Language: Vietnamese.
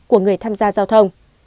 của người tham gia giao thông